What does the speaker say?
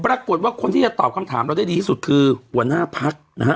ปรากฏว่าคนที่จะตอบคำถามเราได้ดีที่สุดคือหัวหน้าพักนะฮะ